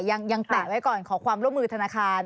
แตะไว้ก่อนขอความร่วมมือธนาคาร